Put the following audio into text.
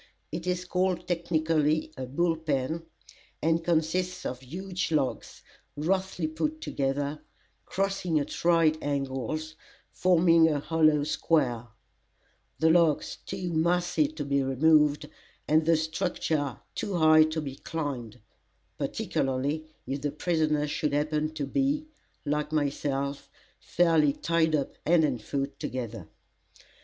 It is called technically a "bull pen," and consists of huge logs, roughly put together, crossing at right angles, forming a hollow square, the logs too massy to be removed, and the structure too high to be climbed, particularly if the prisoner should happen to be, like myself, fairly tied up hand and foot together.